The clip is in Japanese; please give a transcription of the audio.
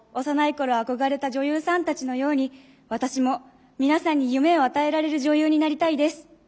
幼い頃憧れた女優さんたちのように私も皆さんに夢を与えられる女優になりたいです。